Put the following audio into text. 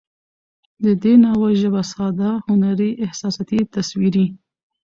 د دې ناول ژبه ساده، هنري، احساساتي، تصويري